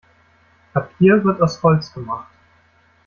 Papier wird aus Holz gemacht.